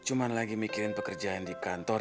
cuma lagi mikirin pekerjaan di kantor